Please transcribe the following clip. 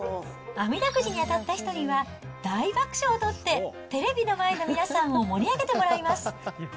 あみだくじに当たった人には、大爆笑を取ってテレビの前の皆さんを盛り上げてもらいます。